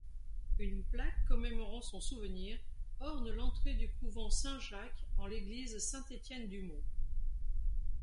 Une plaque commémorant son souvenir orne l'entrée du couvent Saint-Jacques en l'église Saint-Étienne-du-Mont.